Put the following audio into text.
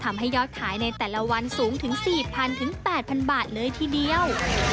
ทำให้ยอดขายในแต่ละวันสูงถึง๔๐๐๘๐๐บาทเลยทีเดียว